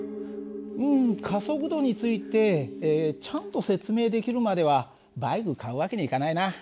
うん加速度についてちゃんと説明できるまではバイク買う訳にはいかないな。